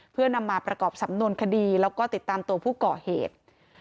เพื่อนำมาประกอบสำนวนคดีแล้วก็ติดตามตัวผู้ก่อเหตุ